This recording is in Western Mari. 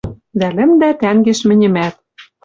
Дӓ лӹмдӓ тӓнгеш мӹньӹмӓт.